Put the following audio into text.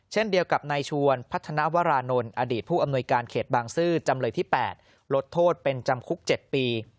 เช่นเดียวกับนายชวนพัฒนาวรานนท์อดีตผู้อำนวยการเขตบางซื่อจำเลยที่๘ลดโทษเป็นจำคุก๗ปี